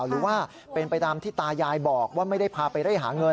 หรือว่าเป็นไปตามที่ตายายบอกว่าไม่ได้พาไปเร่หาเงิน